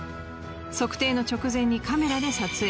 測定の直前にカメラで撮影。